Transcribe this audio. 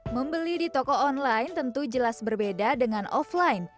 membeli di toko online tentu jelas berbeda dengan offline